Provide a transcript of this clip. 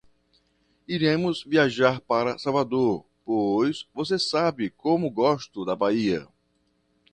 Iremos viajar para Salvador, pois você sabe como gosto da Bahia.